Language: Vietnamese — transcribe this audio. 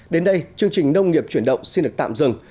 đến đây chương trình nông nghiệp chuyển động xin được tạm dừng